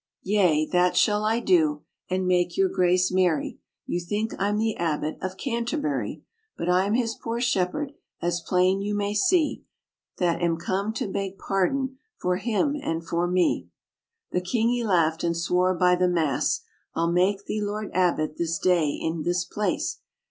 "Yea, that shall I do, and make your grace merry; You think I'm the Abbot of Canterbury; But I'm his poor shepherd, as plain you may see, That am come to beg pardon for him and for me." The king he laughed and swore by the Mass, "I'll make thee lord abbot this day in this place